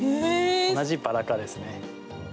同じバラ科ですね。